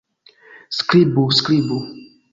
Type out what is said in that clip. Skribu! Skribu!